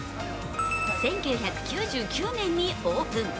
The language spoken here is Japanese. １９９９年にオープン。